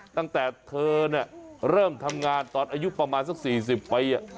ตั้งแต่เธอเริ่มทำงานตอนอายุประมาณสัก๔๐ปี